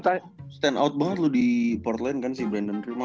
dia stand out banget loh di portland kan sih brandon roy